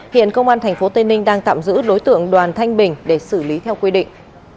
hiện công an tp tây ninh đang tạm giữ đối tượng đoàn thanh bình để xử lý theo quy định